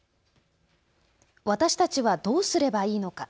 私たちはどうすればいいのか。